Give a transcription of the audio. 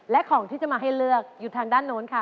และของที่จะมาให้เลือกอยู่ทางด้านโน้นค่ะ